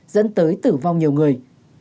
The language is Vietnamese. dẫn tới tử vong nhiều người